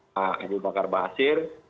pak abdul bakar basir